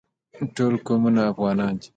ټول قومونه افغانان دي